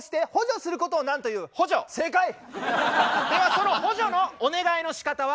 その補助のお願いの仕方は？